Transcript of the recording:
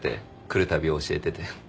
来るたび教えてて。